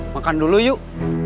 makan dulu yuk